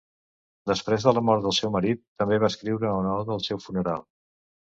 Després de la mort del seu marit també va escriure una oda al seu funeral.